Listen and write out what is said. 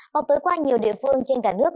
mọc tới qua nhiều địa phương trên cả nước